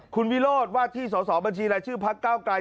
คุณวิโรธว่าที่สอสอบัญชีรายชื่อพักเก้าไกร